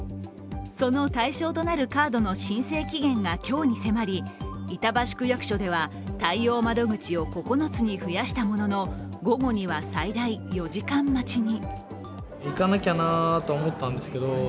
その対象となるカードの申請期限が今日に迫り板橋区役所では対応窓口を９つに増やしたものの午後には最大４時間待ちに。